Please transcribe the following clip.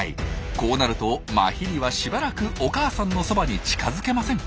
こうなるとマヒリはしばらくお母さんのそばに近づけません。